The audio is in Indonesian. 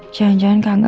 jangan jangan kak angga